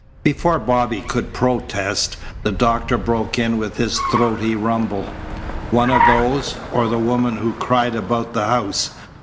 Before Bobby could protest, the doctor broke in with his throaty rumble: "One of those, or the woman who cried about the house."